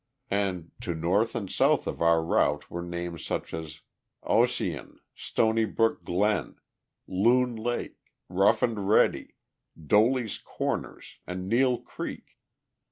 And to north and south of our route were names such as Ossian, Stony Brook Glen, Loon Lake, Rough & Ready, Doly's Corners, and Neil Creek.